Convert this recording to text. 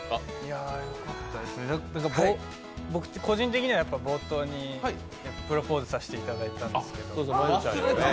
個人的には冒頭にプロポーズさせていただいたんですけど。